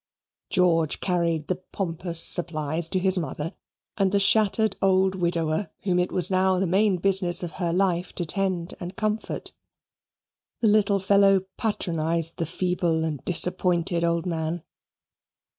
George carried the pompous supplies to his mother and the shattered old widower whom it was now the main business of her life to tend and comfort. The little fellow patronized the feeble and disappointed old man.